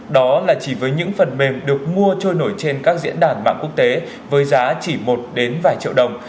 đó là chỉ với những phần mềm được mua trôi nổi trên các diễn đàn mạng quốc tế với giá chỉ một vài triệu đồng